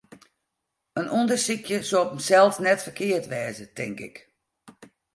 In ûndersykje soe op himsels net ferkeard wêze, tink ik.